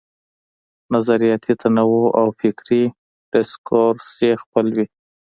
نظریاتي تنوع او فکري ډسکورس یې خپل وي.